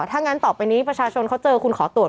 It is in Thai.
ถ้างั้นต่อไปนี้ประชาชนเขาเจอคุณขอตรวจ